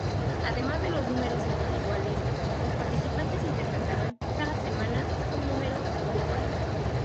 Además de los números individuales, los participantes interpretaban cada semana un número grupal.